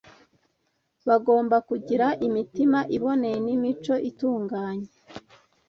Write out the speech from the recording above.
Bagomba kugira imitima iboneye n’imico itunganye